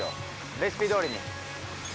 レシピどおりに。